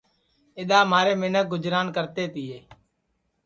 اِدؔا مہارے منکھ گُجران کرتے تیے